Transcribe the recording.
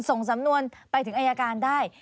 ส่งสำนวนไปถึงอายการได้